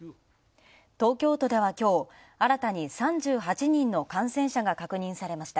東京都ではきょう、新たに３８人の感染者が確認されました。